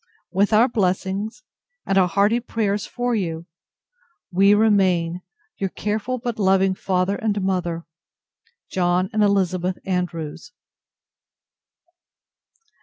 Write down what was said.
With our blessings, and our hearty prayers for you, we remain, Your careful, but loving Father and Mother, JOHN AND ELIZABETH ANDREWS.